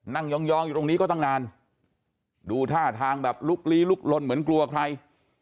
ยองอยู่ตรงนี้ก็ตั้งนานดูท่าทางแบบลุกลี้ลุกลนเหมือนกลัวใคร